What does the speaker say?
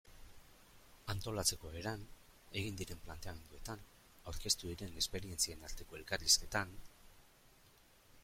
Antolatzeko eran, egin diren planteamenduetan, aurkeztu diren esperientzien arteko elkarrizketan...